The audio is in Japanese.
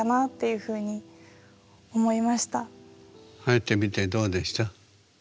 入ってみてどうでした？